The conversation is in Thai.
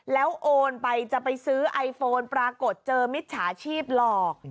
แล้วโอนไปจะไปซื้อไอโฟนปรากฏเจอมิจฉาชีพหลอก